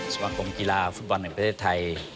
สมาคมกีฬาฟุตบอลแห่งประเทศไทย